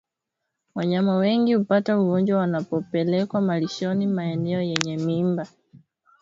Wanyama wengi hupata ugonjwa wanapopelekwa malishoni maeneo yenye miiba